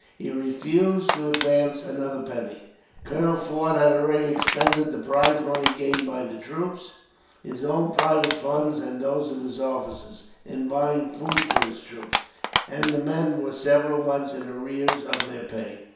He refused to advance another penny. Colonel Forde had already expended the prize money gained by the troops, his own private funds, and those of his officers, in buying food for his troops; and the men were several months in arrear of their pay.